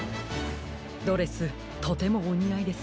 ドレスとてもおにあいです。